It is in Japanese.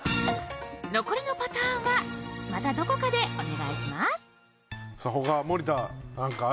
残りのパターンはまたどこかでお願いしますさあ